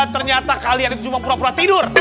ternyata kalian itu cuma pura pura tidur